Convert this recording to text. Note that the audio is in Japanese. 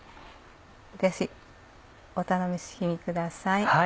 ぜひお楽しみください。